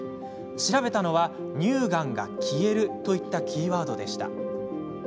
調べたのは、乳がんが消えるといったキーワードでした。